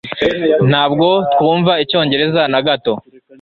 Ntabwo twumva Icyongereza na gato.